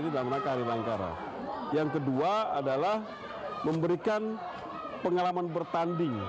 yang kedua adalah memberikan pengalaman bertanding yang kedua adalah memberikan pengalaman bertanding